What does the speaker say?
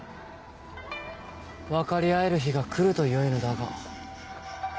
分かり合える日が来るとよいのだが。